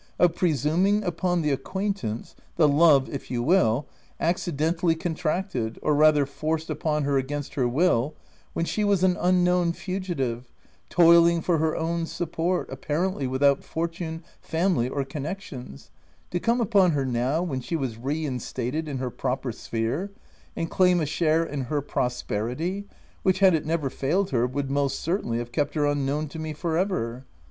— of pre suming upon the acquaintance — the love if you will — accidentally contracted, or rather forced upon her against her will, when she was an unknown fugitive, toiling for her own support, apparently without fortune, family or connec tions — to come upon her now, when she was re instated in her proper sphere, and claim a share in her prosperity, which, had it never failed her, would most certainly have kept her unknown to me for ever